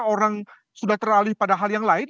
orang sudah teralih pada hal yang lain